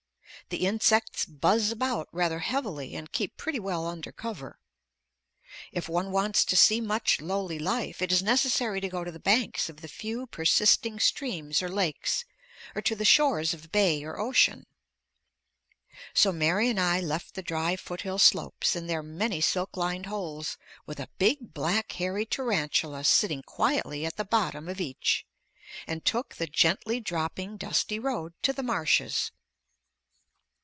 The insects buzz about rather heavily and keep pretty well under cover. If one wants to see much lowly life it is necessary to go to the banks of the few persisting streams or lakes or to the shores of bay or ocean. So Mary and I left the dry foothill slopes and their many silk lined holes with a big black hairy tarantula sitting quietly at the bottom of each, and took the gently dropping dusty road to the marshes.